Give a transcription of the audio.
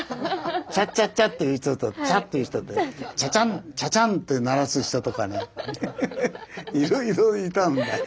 チャッチャッチャッという人とチャッという人とチャチャンチャチャンと鳴らす人とかねいろいろいたんだよ。